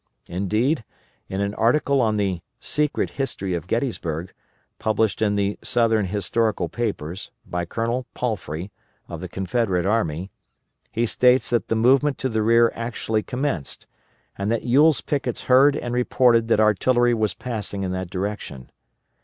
Indeed, in an article on the "Secret History of Gettysburg," published in the "Southern Historical Papers," by Colonel Palfrey, of the Confederate army, he states that the movement to the rear actually commenced, and that Ewell's pickets heard and reported that artillery was passing in that direction.